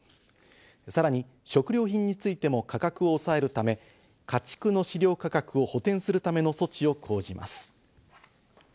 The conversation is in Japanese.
さらに食料品についても、価格を抑えるため、家畜の飼料価格を補填するための措置を講じます。